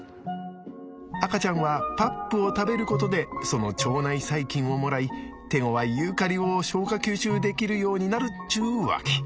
赤ちゃんはパップを食べることでその腸内細菌をもらい手ごわいユーカリを消化吸収できるようになるっちゅうわけ。